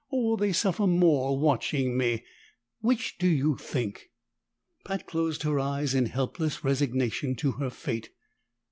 Or will they suffer more watching me? Which do you think?" Pat closed her eyes in helpless resignation to her fate.